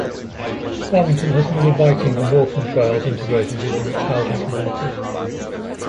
Farmington has many biking and walking trails integrated within its housing communities.